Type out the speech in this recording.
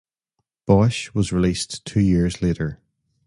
Bosch was released two years later.